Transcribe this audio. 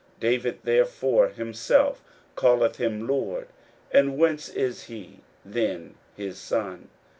41:012:037 David therefore himself calleth him Lord; and whence is he then his son?